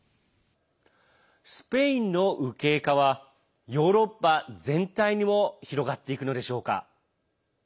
スペインの右傾化はヨーロッパ全体にも広がっていくのでしょうか？